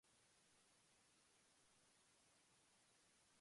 Downing was born in Trenton, New Jersey.